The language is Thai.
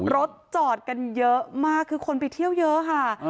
รถจอดกันเยอะมากคือคนไปเที่ยวเยอะค่ะ